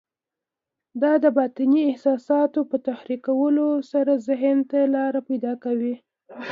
دا د باطني احساساتو په تحريکولو سره ذهن ته لاره پيدا کوي.